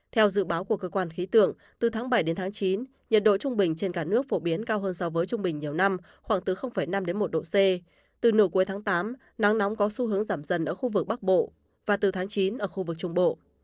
theo dự báo của cơ quan khí tượng từ tháng bảy đến tháng chín nhiệt độ trung bình trên cả nước phổ biến cao hơn so với trung bình nhiều năm khoảng từ năm đến một độ c từ nửa cuối tháng tám nắng nóng có xu hướng giảm dần ở khu vực bắc bộ và từ tháng chín ở khu vực trung bộ